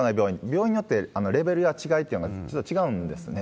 病院によってレベルや違いというのはちょっと違うんですね。